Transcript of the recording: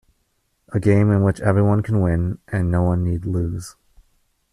A game in which everyone can win and no one need lose.